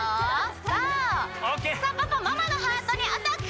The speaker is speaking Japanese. さあパパママのハートにアタック！